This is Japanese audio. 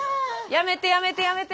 やめてやめてやめて。